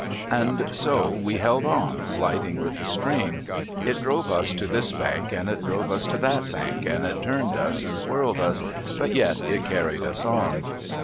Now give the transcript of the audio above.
And so we held on, gliding with the stream. It drove us to this bank, and it drove us to that bank, and it turned us, and whirled us ; but yet it carried us on.